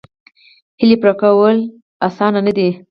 هیلې پوره کېدل اسانه نه دي.